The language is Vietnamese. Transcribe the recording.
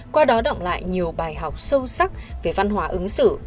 qua đó động lại nhiều bài học sâu sắc về văn hóa ứng xử